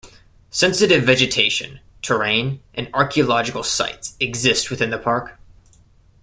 Sensitive vegetation, terrain, and archaeological sites exist within the park.